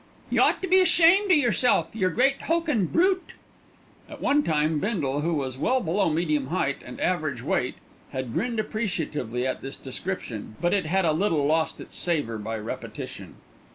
"Y' ought to be ashamed o' yerself, yer great hulkin' brute." At one time Bindle, who was well below medium height and average weight, had grinned appreciatively at this description; but it had a little lost its savour by repetition.